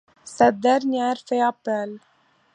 Cette dernière fait appel.